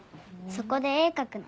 そこで絵描くの。